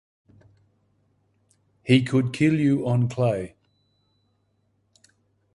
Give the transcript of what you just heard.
He could kill you on clay.